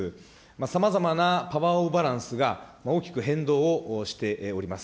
さまざまなパワーオブバランスが大きく変動をしております。